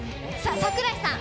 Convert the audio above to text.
櫻井さん。